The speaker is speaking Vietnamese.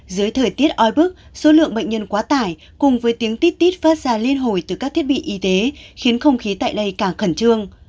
dưới thời tiết oi bức số lượng bệnh nhân quá tải cùng với tiếng tittit phát ra liên hồi từ các thiết bị y tế khiến không khí tại đây càng khẩn trương